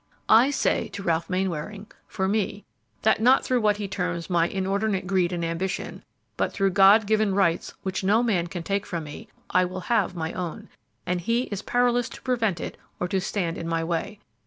I Say to Ralph Mainwaring, for me, that, not through what he terms my 'inordinate greed and ambition,' but through God given rights which no man can take from me, I will have my own, and he is powerless to prevent it or to stand in my way.